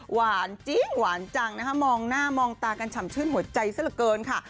หวานจริงหวานจังนะคะมองหน้ามองตากันฉ่ำชื่นหัวใจซะละเกินค่ะ